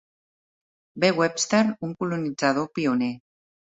B. Webster, un colonitzador pioner.